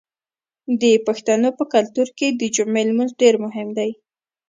د پښتنو په کلتور کې د جمعې لمونځ ډیر مهم دی.